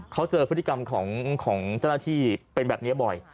เขาเจอพฤติกรรมของเจ้าหน้าที่เป็นแบบนี้บ่อย